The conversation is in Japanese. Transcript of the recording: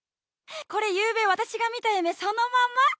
これ、ゆうべ私が見た夢そのまんま。